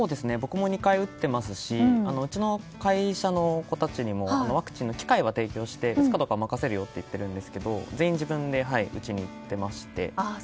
僕も２回打っていますしうちの会社の子たちにもワクチンの機会は提供して打つかどうかは任せるよと言ってるんですけど全員、自分で打ちに行っていまして。